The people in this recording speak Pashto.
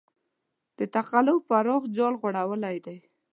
د تقلب پراخ جال غوړولی دی.